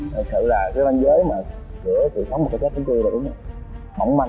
thật sự là cái ban giới mà chữa tự thống một cái chết chúng tôi là cũng mỏng manh